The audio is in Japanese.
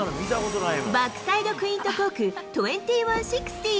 バックサイドクイントコーク２１６０。